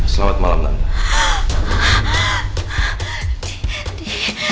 selamat malam nanda